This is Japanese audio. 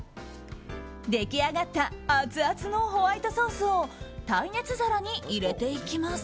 出来上がったアツアツのホワイトソースを耐熱皿に入れていきます。